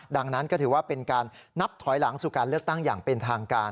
ดังนั้นก็ถือว่าเป็นการนับถอยหลังสู่การเลือกตั้งอย่างเป็นทางการ